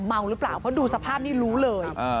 เมาหรือเปล่าเพราะดูสภาพนี้รู้เลย